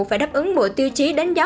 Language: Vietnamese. phải đáp ứng bộ tiêu chí đánh giá